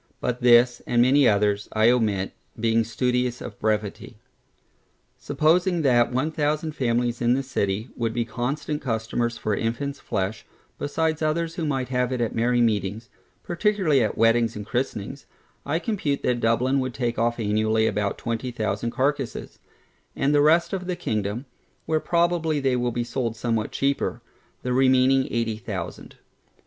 But this, and many others, I omit, being studious of brevity. Supposing that one thousand families in this city, would be constant customers for infants flesh, besides others who might have it at merry meetings, particularly at weddings and christenings, I compute that Dublin would take off annually about twenty thousand carcasses; and the rest of the kingdom (where probably they will be sold somewhat cheaper) the remaining eighty thousand.